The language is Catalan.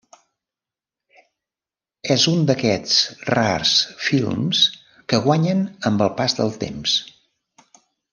És un d'aquests rars films que guanyen amb el pas del temps.